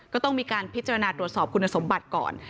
ก็ต้องมีการพิจารณาตรวจสอบคุณสมบัติก่อน